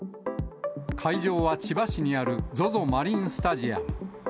会場は千葉市にあるＺＯＺＯマリンスタジアム。